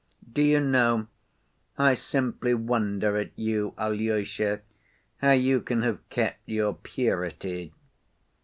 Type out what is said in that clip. Do you know, I simply wonder at you, Alyosha, how you can have kept your purity.